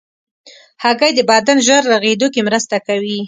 هګۍ د بدن ژر رغېدو کې مرسته کوي.